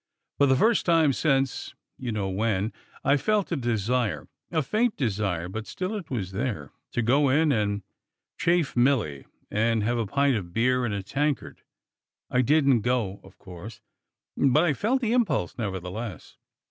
For the first time since you know when I felt a desire a faint desire but still it was there to go in and chaff Milly and have a pint of beer in a tankard. I didn't go, of course, but I felt the impulse, nevertheless."